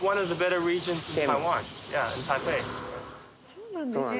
そうなんですね。